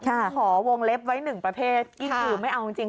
ค่ะขอวงเล็บไว้หนึ่งประเภทอีกอื่นไม่เอาจริงจริง